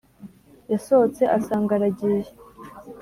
Yasohotse asanga aragiye